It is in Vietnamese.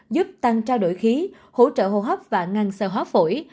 giúp tăng trao đổi khí hỗ trợ hô hấp và ngăn xe hóa phổi